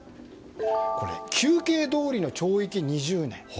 求刑どおりの懲役２０年。